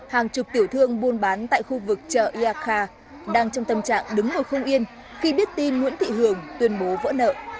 hàng chục tiểu thương buôn bán tại khu vực chợ yaca đang trong tâm trạng đứng ngồi không yên khi biết tin nguyễn thị hường tuyên bố vỡ nợ